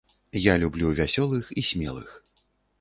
Я люблю вясёлых і смелых.